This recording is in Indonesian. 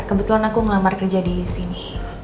kebetulan aku ngelamar kerja disini